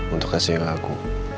untuk kasih aku